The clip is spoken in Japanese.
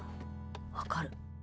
分かる。